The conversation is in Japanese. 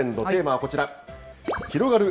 テーマはこちら。